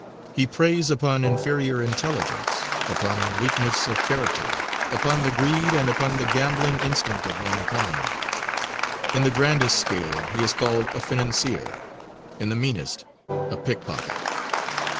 He preys upon inferior intelligence, upon weakness of character, upon the greed and upon the gambling instinct of mankind. In the grandest scale he is called a financier; in the meanest, a pickpocket.